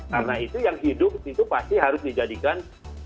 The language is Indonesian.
karena itu yang hidup itu pasti harus dijadikan